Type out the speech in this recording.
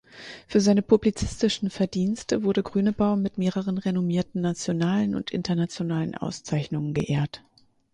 Für seine publizistischen Verdienste wurde Grünebaum mit mehreren renommierten nationalen und internationalen Auszeichnungen geehrt.